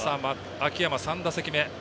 秋山、３打席目。